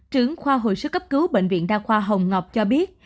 trưởng khoa hồi sức cấp cứu bệnh viện đa khoa hồng ngọc cho biết